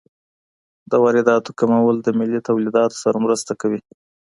د وارداتو کمول د ملي تولیداتو سره مرسته کوي.